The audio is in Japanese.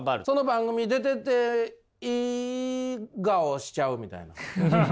その番組出てていい顔しちゃうみたいな。